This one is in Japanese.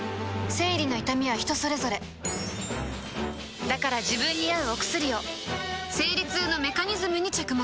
生理の痛みは人それぞれだから自分に合うお薬を生理痛のメカニズムに着目